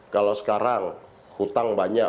kalau sekarang hutang banyak